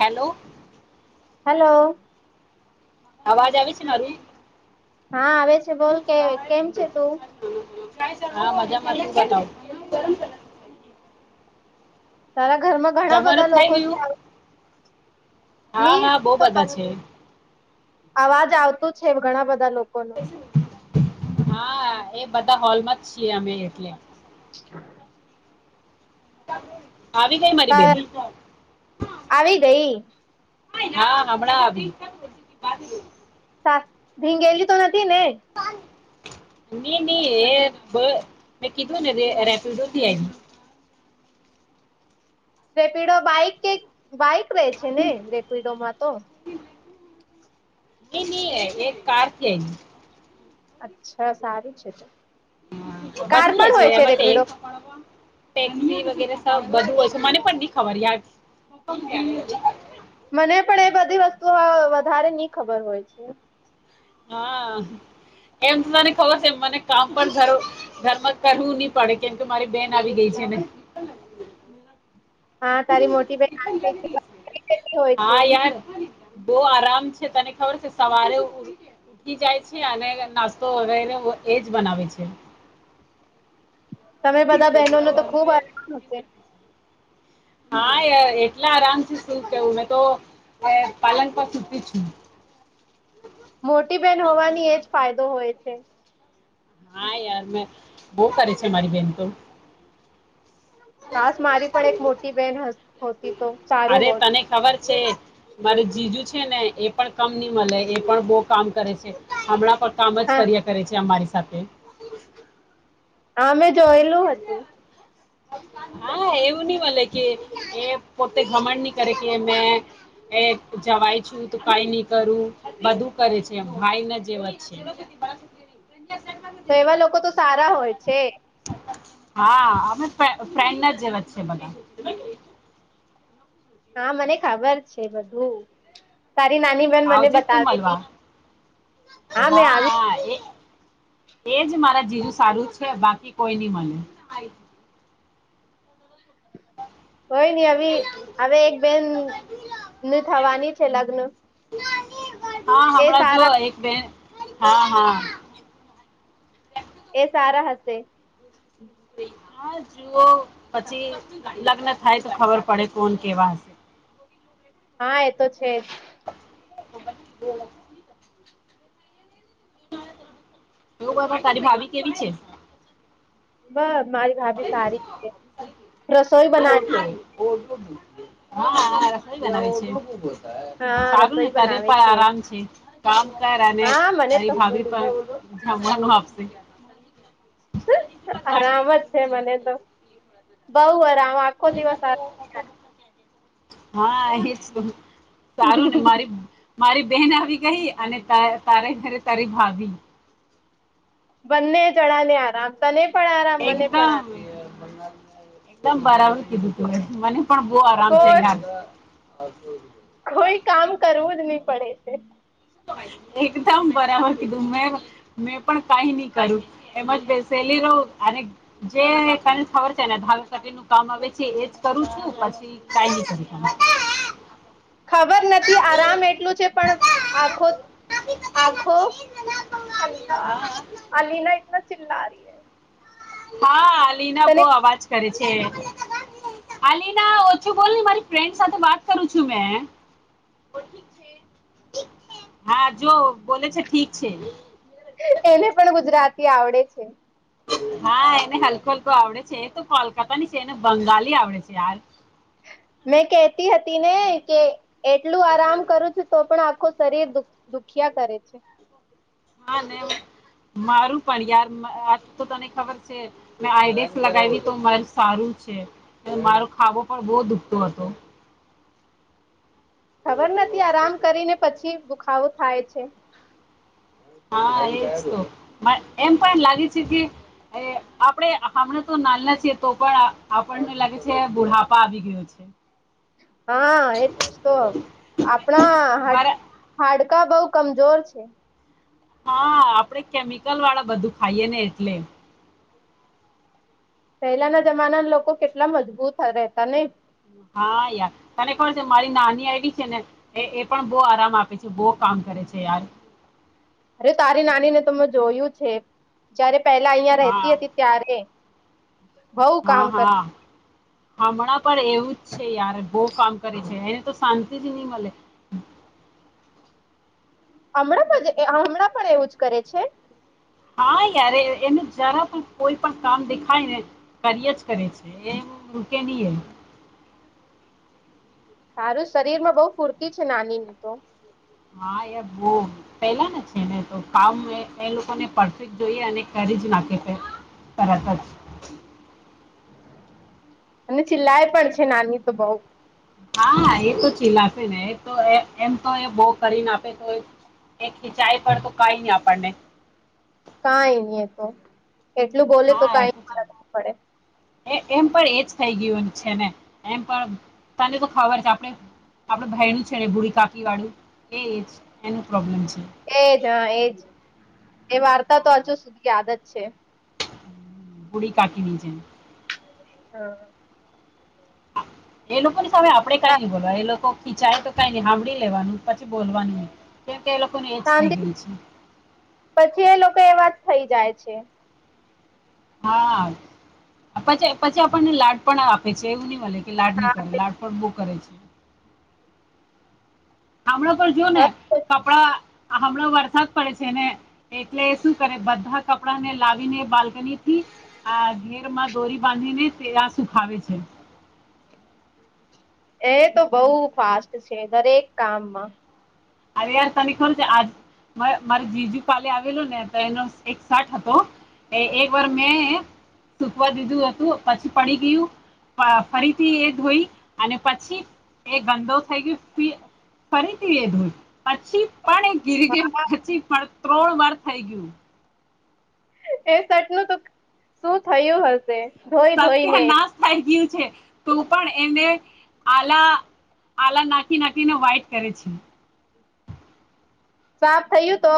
Hello. Hello. અવાજ આવે છે, મારી હા આવે છે, બોલ કે કેમ છે, તું. હા મજામાં તારા ઘરમાં ઘણા બધા જમવાનું થઈ લોકો છે. ગયું હા ની હા બહુ બધા છે અવાજ આવતું છે, ઘણા બધા લોકો હા એ બધા હોલમાં જ છીએ, અમે એટલે [unintelligible] આવી ગઈ મારી બેન હ આવી ગઈ હમણાં આવી. ભીંગેલી તો નથી ને ની ની એ મે કીધુંને ર રેપિડોથી આવી. રેપિડો બાઈક કે બાઈક રે છે, ને રેપિડોમાં તો નહી એક કાર કે, અચ્છા સારું છે તો. [unintelligible] કાર પણ હોય છે રેપિડો ટેક્સી વગેરે સાવ બધું હોય છે, મને પણ ની ખબર યાર. મને પણ એ બધી વસ્તુઓ વધારે ની ખબર હોય છે. હા. એમ મને ખબર છે, મને કામ પર ભરો ધરમાં કરવું ની પડે કેમ કે મારી બેન આવી ગઈ છે. [unintelligible] હા, તારી મોટી બેન [unintelligible] હોય છે. બઉ આરામ છે. તને ખબર છે, સવારે ઉ ઉઠી જાય છે. અને નાસ્તો [unintelligible] એ જ બનાવે છે. તમે બધા બેહનો ને તો ખુબ આરામ હશે. હા, એ એટલા આરામથી શું કેવું મેં તો પાલન પર સુતી છું. [inaudible] મોટી બેન હોવાની એજ ફાયદો હોય છે. હા, યાર મે બઉ કરે છે મારી બેન તો. કાસ મારી પણ એક મોટી બેન હસ હોતી તો સારું અરે હોત. તને ખબર છે. મારે જીજુ છે ને એ પણ કમ ની મલે એ પણ બઉ કામ કરે છે. હમણાં કામ જ હા કર્યા કરે છે, અમારી સાથે. અમે જોયલું હતું. હા, એવું ની મલે કે એ પોતે ઘમંડ ની કરે કે એમને એ જવાય છું તો કાઈ ની કરું. બધુ કરે છે એમ ભાઈ ના જેવા છે. [inaudible] તો એવા લોકો તો સારા હોય છે. ફે ફ્રેન્ડના જેવા જ છે બધા. હા, મને ખબર છે બધું. તારી નાની બેન મને આવજે તું મળવા બતાવેલી. હા, મેં આવી. એ જ મારા જેવું સારું છે, બાકી કોઈ ની મલે. કોઈ ની અવી અવે એક બેન ને થવાની છે લગ્ન. હા, એ હમણા જો સારા એક બે હા, હા. એ સારા હશે. હા, જુઓ પછી લગ્ન થાય તો ખબર પડે કોણ કેવા હશે. હા, એ તો છે જ. એવું બોલ બોલ તારી ભાભી કેવી છે? બસ, મારી ભાભી સારી છે. રસોઈ બનાવે [inaudible] હા [unintelligible] હા. સારું ને રસોઈ તને બનાવે પણ આરામ છે. કામ કર અને હા મને તારી તો ભાભી પણ [unintelligible] આપશે. આરામ જ છે મને તો. બઉ આરામ આખો દિવસ હા, એ જ તો. સારું ને મારી મારી બેન આવી ગઈ અને તા-તારે ઘરે તારી ભાભી. બંને જણાને આરામ. તને પણ આરામ મને પણ એકદમ. આરામ એકદમ, બરાબર કીધુ તુ મે. મને પણ બઉ આરામ કો છે યાર. કોઈ કામ કરવું જ નહી પડે છે. એકદમ બરાબર કીધું મેં મેં પણ કઈ નહી કર્યું એમજ બેસેલી જે તને ખબર છે ને ધાવ નું કામ આવે છે એજ કરું છું પછી કાયલી શ ત ખબર નથી આરામ એટલું છે પણ આખો આખો અલ્લા હા અલીના એતના ચિલ્લા રહી હૈ હા લિના બહ અવાજ કરે છે આલીના ઓછું બોલ ને મારી ફ્રેન્ડ સાથે વાત કરું છું મે હા જો બ છે ઠીક છે એને પણ ગુજરાતી આવડે છે હા એને હલકો હલકો આવડે છે તો કોલકાતા ની છે એને બંગાળલી આવડે છે યાર મેં કેતી હતી ને કે એટલું આરામ કરું છું તો પણ આખો શરીર દુ દુખિયા કરે છે હા ને મારું પણ યાર આજ તો તને ખબર છે મે આઈડીક્ષ લગાવી તો મા સારું છે મારો ખાવો પણ બહુ દુખતો હતો હ ખબર નથી આરામ કરીને પછી દુખાવો થાય છે હા એજ તો પણ એમ પણ લાગે છે કે એ આપણે હમણા તો નાલના છીએ તો પણ આપણને લાગે છે બુઢાપા આવી ગયો છે હા એજ તો આપણા હા બર હાડ કકા બઉ કમજોર છે હા આપણેે કેમિકલ વાળા બધું ખાઈએ ને એટલે પહેલાના જમાના લોકો કેટલા મજબૂત રહેતા ને હા યાર તને ખબર છે મારી નાની આઈવી છે ને એ પણ બો આરામ આપે છે બહ કામ કરે છે યાર હ અરે તારી નાની ને તો મે જોયું છે જયારે પેલા અહિયાં હા રહેતી હતી ત્યારે બઉ હા કામ કર હા હમણાં પણ એવું છે યાર બોહ કામ કરે છે એને તો શાંતિ જ નહી મળે હમણાં પણ હમણાં પણ એવું જ કરે છે નય એને જરા પણ કોઈ પણ કામ દેખાય ને કર્યા જ કરે છે એ કે [inaudible] સારું શરીર માં બહુ ફુરતી છે નાનીને તો હા યાર બો પેલા ને છે ને તો કામ એ લોકોને પરફેક્ટ જોઈએ અને કરી જ નાખે પેલા તરત જ અને ચિલાય પણ છે નાની તો બઉ હા એ તો ચીલ આપે ને એ તો એમ તો એ બા કરીને આપે તો એક ખિંચાઈ પર તો કાઈ નહી આપણને કાઈ ની એતો એટલું બોલે તો હા એ કઈ ની છે. ફરક પડે એ એમ પણ એજ થઈ ગયું છે ને એમ પણ તને તો ખબર છે આપડે આપડે ભાઈ નું છે ને ભુડી કાકી વાળું એ એનું પ્રોબ્લેમ છે એજ હા એજ એ વાર્તા તો હા, હજુ સુધી યાદ જ છે પુડી કાકી ની જેમ હ એ લોકો ની સામે આપડે કઈ નય બોલવાય એ લોકો ચાય તો કઈ નઈ સાંભળી લેવાનું પછી બોલવાનું નય શાંતિ પછી એ લોકો એવા જ થઈ જાય છે હા પી પછી આપણને લાડ પણ આપે છે એવું નહી મલે કે કે લાડ ની કરે હા લાડ પર બો કરે છે હામણાં પર જોઓ ને કપડા હમણાં વરસાદ પડે છે ને એટલે શું કરે બધા કપડાં ને લાવીને બાલ્કની થી આ ઘેર માં દોરી બાંધી ને તે આ સુુંખાવે ખાવે છે એ તો બહુ ફાસ્ટ છે દરેક કામમાં અરેયાર તને ખરું છે આજ મારે જીજુ કલે આવેલો ને તો એનો એક સાઠ હતો એ એક વાર મેં સુકવા દીધું હતું પછી પડી ગયું ફરીથી એ ધોઈ અને પછી એ ગંદો થઈ ગયો ફરીથી એ ધૂલ પછી પણ એ ગીર ગયા પછી પણ ત્રોણ વાર થઈ ગયું એ સેટ નું તો શું થયું હશે ધોઈ સત્ય ધોઈને નાશ થાય ગયું છે તો પણ એને આલા આલા નાખી નાખીને વાઇટ કરે છે સાફ થયું તો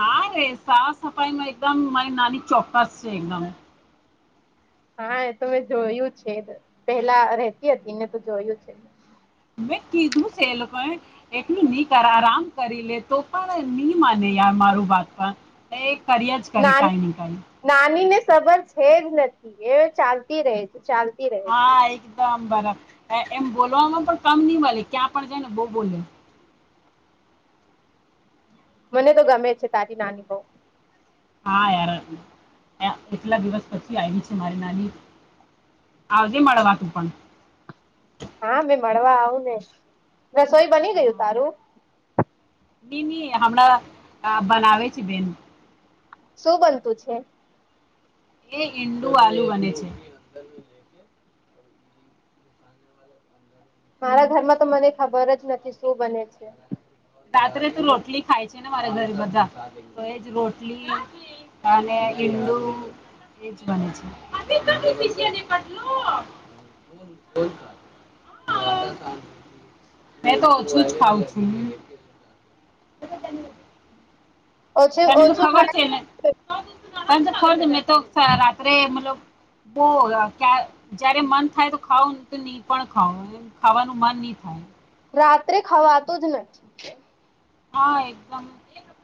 હા રે સાફ સફાઈ ન એકદમ મારી નાની ચોક્કસ છે એકદમ હા એ તો મેં જોયું છે પેલા રતી હતી ને તો જોયું છે મેં કીધું છે એ લોકો એટલું નહી કર આરામ કરી લે તો પણ નહી માને ય મારું બાત એ કર્ય જ કરે કઈ નને કઈ ખબર છે જ નથી એ ચાલતી રહે છે ચાલતી રહે છે. હા એકદમ બરા એમ બોલવામાં પણ કામ નહી મળ ક્યાં પણ જાય ને બહ બોલે મને તો ગમે છે તારી નાની બઉ હા યાર કેટલા દિવસ પછી આવી છે મારી નાની આવજે હા મેં મળવા આવું ને રસોઈ બની ગયું તારું બમ હણા બનાવેે છે બેન શું બનતું છે એ ઇંડુ આલુ બને છે મારા ઘરમાં તો મને ખબર જ નથી શું બને છે રાત્રે તો રોટલી ખાય છે ને મારા ઘરે બધા તો એજ રોટલી તને એડું એ જ છે [unintelligible] મે તો ઓછું જ ખાવઉં છું તને [unintelligible] ઓછું તને તો ઓછું ખબર છે ને ખાય અંત ખ મેં તો રાત્રે મતલબ બહુ જયારે મન થાય તો ખાાવ ને તો નહી પણ ખાવ એ ખાવાનું માન નહ થાય રાત્રે ખાવાતું જ નથી હા એકદમ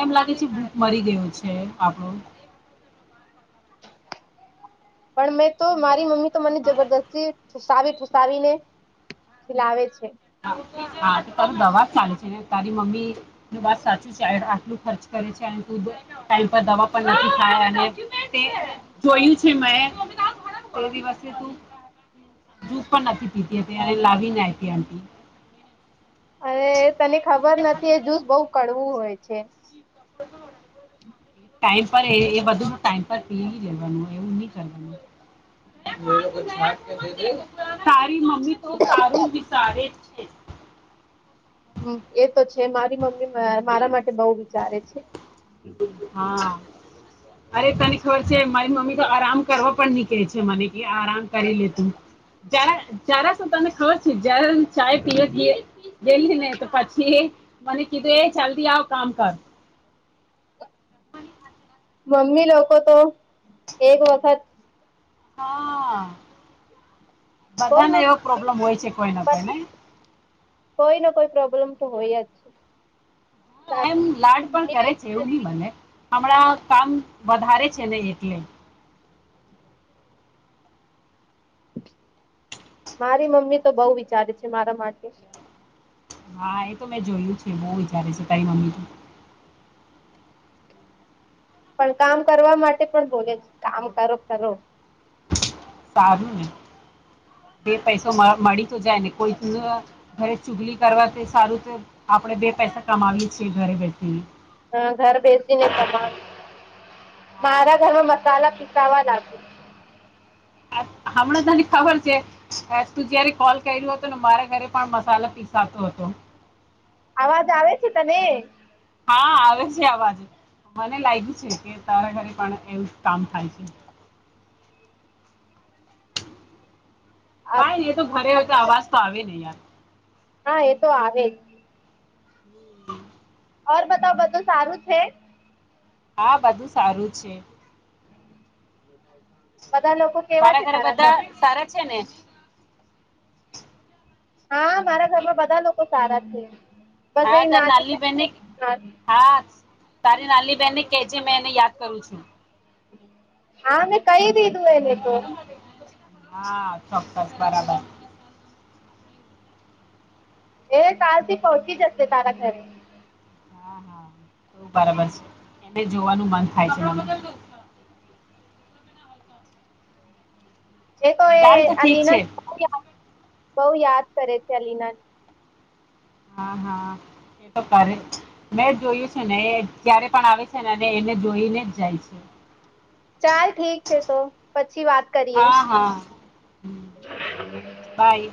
એમ લાગે છે ભૂખ મરી ગયું છે આપણું પણ મેં તો મારી મમ્મી તો મને જબરદસ્તી ફઠુસાવીઠસાવીને ખિલાવે છે હા તો તારું દવા જ ચાલે છેને તારી મમ્મી ન વાત સાચું છે આટલું ખર્ચ કર ટવા થ જોયું છે મે થો દિવસે તું જૂસ પણ નથી પીતી હતી અને લાવી ના હતી આ અ તને ખબર નથી એ જૂસ બહુ કડવું હોય છે હમ ટાઈમ પર એ બધું ન ટાઈમ પર પી લેવાનું એવું નહી કરવાનું તારી મમ્મી તો સારું જ વિચારે છે એ તો છે મારી મમ્મી મારા માટે બહ વિચારે છે હા અરે તને ખબર છે મારી મમ્મી તો આરામ કરવા પણ ની કહે છે મને એ આરામ કરી લેતું જ જરા શું તને ખબર છે જ ચ પી દીએ ગેલી ને તો પછી મને કીધું એ ચલ્દી આવ કામ કર મમ્મી લોકો તો એક વખત હા બધા કોઈ ને એવો મમ્મી પ્રોબ્લેમ હોય છે કોઈને કોઈને કોઈને કોઈ પ્રોબ્લેમ તો હોયયા જ છે. હા એમ લાડ પણ કરે છે એવું નહી મને હમણાં કામ વધારે છે નહી એટલે હમ મારી મમ્મી તો બહુ વિચારે છે મારા માટે હા એ તો મેં જોયું છે બહુ વિચારે છે તારી મમ્મી તો હમ પણ કામ કરવા માટે પણ બોલે છે કામ કરો કરો સારું ને બે પૈસો મળી તો જાય ને કોઈ ઘરે ચુગલી કરવા તે સારું તે આપણે બે પૈસા કમાવીએ છીએ ઘરે બેઠીને હા ઘર બેસીને કમાવીએ હા મારા ઘરમાં મસાલા દવા લાગુ હમણાં તને ખબર છે, તું જયારે કોલ કર્યું હતો ને મારા ઘરે પણ મસાલા પીસા તો હતો. અવાજ આવે છે તને હા આવે છે અવાજ મને લાગ્યું છે કે તારા ઘરે પણ એવું જ કામ થાય છે કઈ એ તો ઘરે હો તો અવાજ હા તો આવે નહી યાર હા એ તો આવે ઓર બતાવ બધું સારું છે હા બધું સારું છે. બધા લોકો કેવા તારા છે ઘરે ઘર બધા સારા છે ને હા મારા ઘરમાં બધા લોકો સારા છે. બસ હા એ તારી નાની બહેને હા તારી નાની બેહેનને કેજે મેં એને યાદ કરું છું. હા મેં કહી દીધું એને તો હા ચોક્કસ બરાબર. એ કાલથી પહોંચી જશે તારા ઘરે બરાબર છે એને જોવાનું મન થાય છે, મને એ તો એ ચાલ ઠીક અલીના છે ને બહુ યાદ કરે છે અલીના હા હા એ તો કરે જ છે, મેં જોયું છે ને એ જ્યારે પણ આવે છે ને એનું જોઈને જ જાય છે. ચાલ ઠીક છે, તો પછી વાત કરીએ [inaudible] હા હા હમ, ઠીક છે બાય.